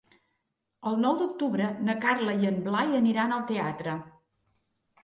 El nou d'octubre na Carla i en Blai aniran al teatre.